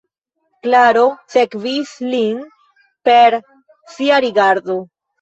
Klaro sekvis lin per sia rigardo.